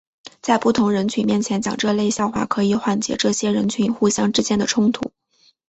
在不同人群面前讲这类笑话可以缓解这些人群互相之间的冲突。